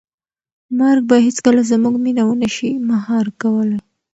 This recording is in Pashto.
مرګ به هیڅکله زموږ مینه ونه شي مهار کولی.